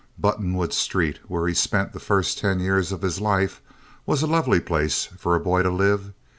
Buttonwood Street, where he spent the first ten years of his life, was a lovely place for a boy to live.